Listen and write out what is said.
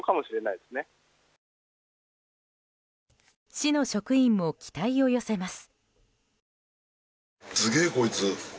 市の職員も期待を寄せます。